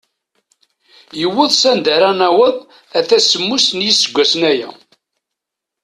Yewweḍ s anda ara naweḍ ata semmus n yiseggasen aya.